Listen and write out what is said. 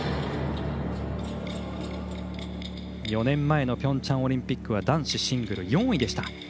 ４年前のピョンチャンオリンピックは男子シングル４位でした。